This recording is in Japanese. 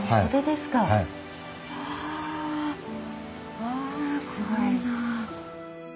すごいなあ。